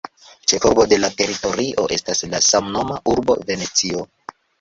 Ĉefurbo de la teritorio estas la samnoma urbo Venecio.